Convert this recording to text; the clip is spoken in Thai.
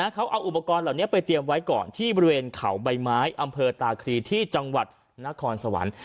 เขาเอาอุปกรณ์เหล่านี้ไปเตรียมไว้ก่อนที่บริเวณเขาใบไม้อำเภอตาคลีที่จังหวัดนครสวรรค์